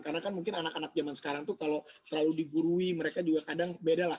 karena kan mungkin anak anak zaman sekarang tuh kalau terlalu digurui mereka juga kadang beda lah